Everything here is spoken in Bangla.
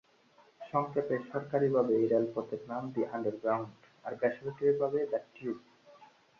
সংক্ষেপে সরকারি ভাবে এই রেলপথের নাম "দি আন্ডারগ্রাউন্ড", আর বেসরকারি ভাবে "দ্য টিউব"।